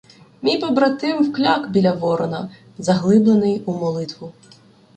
Мій побратим вкляк біля Ворона, заглиблений у молитву.